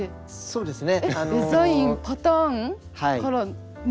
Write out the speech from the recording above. そうですね